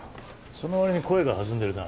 その割に声が弾んでるな。